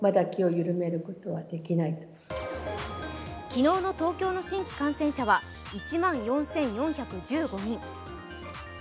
昨日の東京の新規感染者は１万４４１５人。